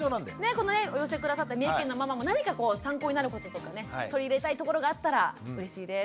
このお寄せ下さった三重県のママも何かこう参考になることとかね取り入れたいところがあったらうれしいです。